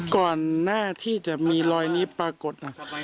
ก่อนหน้าที่จะมีลอยนี้ปรากฏ